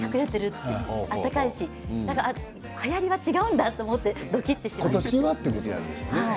暖かいしはやりは違うんだと思ってどきっとしました。